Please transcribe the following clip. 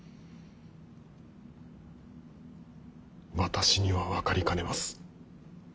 私には分かりかねます。